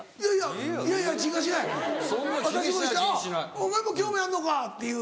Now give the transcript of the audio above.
「あっお前も興味あんのか」っていう。